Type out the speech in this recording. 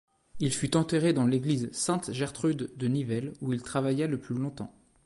Il fut enterré dans l'église Sainte-Gertrude de Nivelles où il travailla le plus longtemps.